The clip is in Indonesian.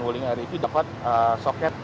wuling riv dapat soket